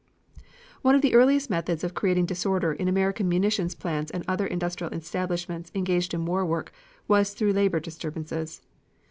One of the earliest methods of creating disorder in American munition plants and other industrial establishments engaged in war work was through labor disturbances.